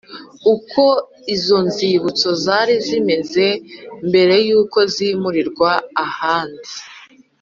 Uko izo nzibutso zari zimeze mbere y uko zimurirwa ahandi